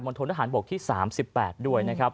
มนตรฐานบกที่๓๘ด้วยนะครับ